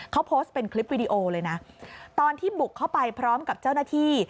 เขาโพสต์เป็นคลิปวิดีโอเลยนะตอนที่บุกเข้าไปพร้อมกับเจ้าหน้าที่